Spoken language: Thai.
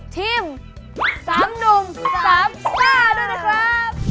ทีม๓หนุ่ม๓ซ่าด้วยนะครับ